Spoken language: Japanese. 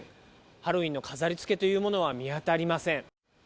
ハロウィーンの飾りつけというものは見当たりません。